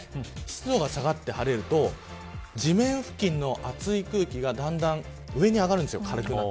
湿度が下がって晴れると地面付近の熱い風がだんだん上に上がるんです。